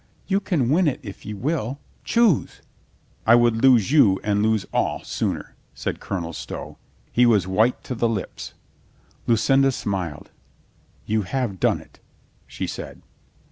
You can win it if you will. Choose!" "I would lose you and lose all sooner," said Colonel Stow. He was white to the lips. Lucinda smiled. "You have done it," she said.